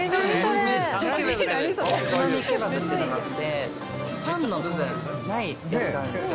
おつまみケバブっていうのがあって、パンの部分がないんですよ。